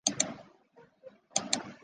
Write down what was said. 有晚唐诗意味。